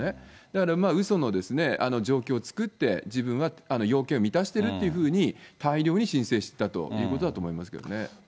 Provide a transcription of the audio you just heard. だから、うその状況を作って、自分は要件を満たしてるっていうふうに、大量に申請していたということだと思いますね。